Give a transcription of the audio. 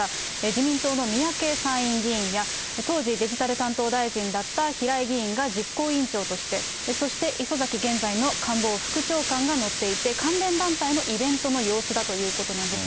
自民党の三宅参院議員や当時、デジタル担当大臣だった平井議員が実行委員長として、そして磯崎、現在の官房副長官が載っていて、関連団体のイベントの様子だということなんです。